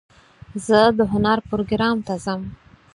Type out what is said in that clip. زه د هنر پروګرام ته ځم.